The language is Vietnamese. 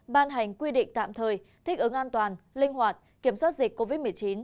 ban hành quy định tạm thời thích ứng an toàn linh hoạt kiểm soát dịch covid một mươi chín